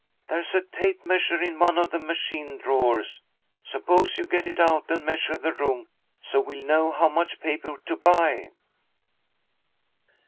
There's a tape measure in one of the machine drawers. Suppose you get it out and measure the room, so we'll know how much paper to buy."